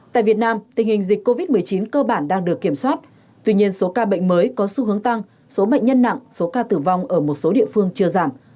tại việt nam tình hình dịch covid một mươi chín cơ bản đang được kiểm soát tuy nhiên số ca bệnh mới có xu hướng tăng số bệnh nhân nặng số ca tử vong ở một số địa phương chưa giảm